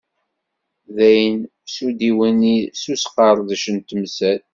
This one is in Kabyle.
Daɣen, s udiwenni d usqerdec n temsal.